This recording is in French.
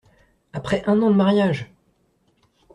Après un an de mariage !